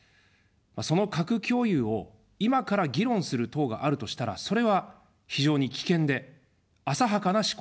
その核共有を今から議論する党があるとしたら、それは非常に危険で、浅はかな思考だと思います。